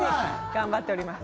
頑張っております